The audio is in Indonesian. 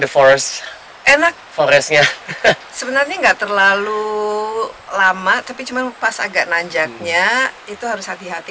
forest enak forestnya sebenarnya enggak terlalu lama tapi cuman pas agak nanjaknya itu harus hati hati